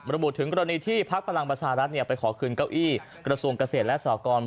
ระบุถึงกรณีที่พักพลังประชารัฐไปขอคืนเก้าอี้กระทรวงเกษตรและสากร